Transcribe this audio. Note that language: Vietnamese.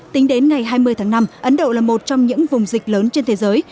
tính đến ngày hai mươi tháng năm ấn độ là một trong những vùng dịch lớn trên thế giới